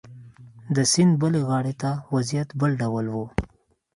د سیند بلې غاړې ته وضعیت بل ډول و.